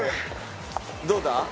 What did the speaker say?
どうだ？